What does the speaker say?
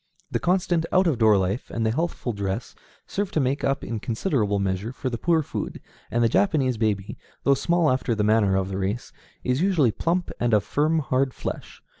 The constant out of door life and the healthful dress serve to make up in considerable measure for the poor food, and the Japanese baby, though small after the manner of the race, is usually plump, and of firm, hard flesh.